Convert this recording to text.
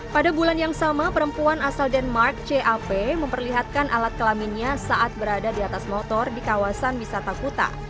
pada bulan yang sama perempuan asal denmark cap memperlihatkan alat kelaminnya saat berada di atas motor di kawasan wisata kuta